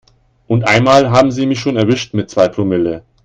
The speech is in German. Und einmal haben sie mich schon erwischt mit zwei Promille.